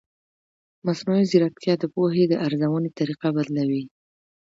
مصنوعي ځیرکتیا د پوهې د ارزونې طریقه بدلوي.